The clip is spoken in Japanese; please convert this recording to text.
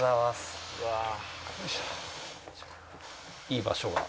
いい場所が。